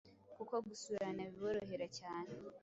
kuko gusurana biborohera cyane